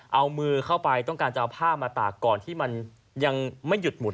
เอามือเข้าไปต้องการจะเอาผ้ามาตากก่อนที่มันยังไม่หยุดหุ่น